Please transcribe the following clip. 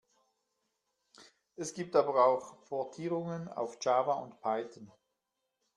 Es gibt aber auch Portierungen auf Java und Python.